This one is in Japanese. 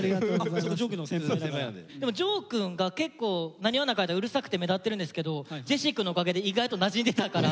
でもジョーくんが結構なにわの中でうるさくて目立ってるんですけどジェシーくんのおかげで意外となじんでたから。